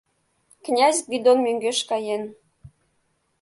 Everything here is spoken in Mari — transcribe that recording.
Князь Гвидон мӧҥгеш каен;